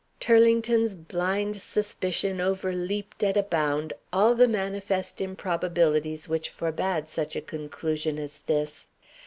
Turlington's blind suspicion overleaped at a bound all the manifest improbabilities which forbade such a conclusion as this.